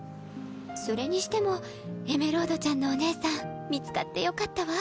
それにしてもエメロードちゃんのお姉さん見つかってよかったわ。